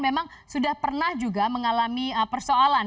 memang sudah pernah juga mengalami persoalan